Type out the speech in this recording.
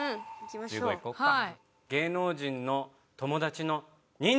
１５いこうか。